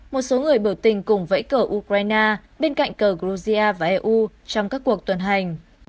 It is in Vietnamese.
một số người biểu tình cùng vẫy cờ ukraine bên cạnh cờ georgia và eu trong các cuộc tuần hành